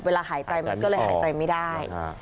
เวลาหายใจก็เลยไม่ได้